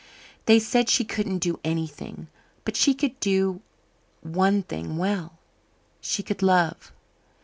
They said she couldn't do anything. But she could do one thing well she could love.